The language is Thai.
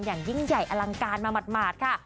อย่างยิ่งใหญ่อลังการมาหมาดค่ะ